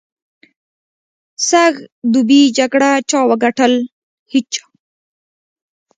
سږ دوبي جګړه چا وګټل؟ هېچا.